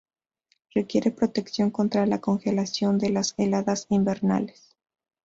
Requiere protección contra la congelación de las heladas invernales.